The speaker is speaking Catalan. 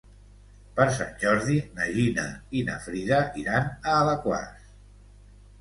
Per Sant Jordi na Gina i na Frida iran a Alaquàs.